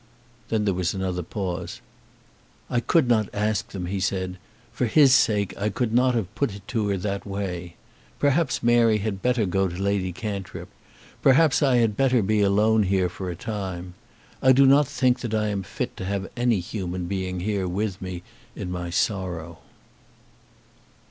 Then there was another pause. "I could not ask them," he said; "for his sake I could not have it put to her in that way. Perhaps Mary had better go to Lady Cantrip. Perhaps I had better be alone here for a time. I do not think that I am fit to have any human being here with me in my sorrow."